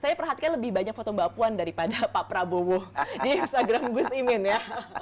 saya perhatikan lebih banyak foto mbak puan daripada pak prabowo di instagram gus imin ya